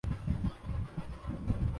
مزید بھی رہ سکتے ہیں۔